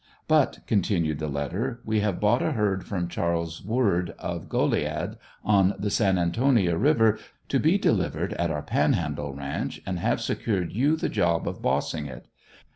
"But," continued the letter, "we have bought a herd from Charles Word of Goliad, on the San Antonia River, to be delivered at our Panhandle ranch and have secured you the job of bossing it.